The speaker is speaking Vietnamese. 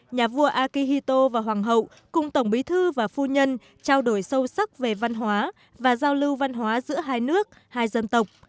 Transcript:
nhà vua akihito và hoàng hậu cùng tổng bí thư và phu nhân trao đổi sâu sắc về văn hóa và giao lưu văn hóa giữa hai nước hai dân tộc